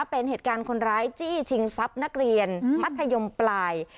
เป็นเหตุการณ์คนร้ายจี้ชิงทรัพย์นักเรียนมัธยมปลาย